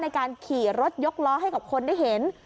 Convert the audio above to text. ในการขี่รถยกล้อให้กับคนได้เห็น